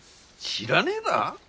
知らねえだ？